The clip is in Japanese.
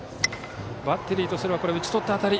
バッテリーとすれば打ち取った当たり。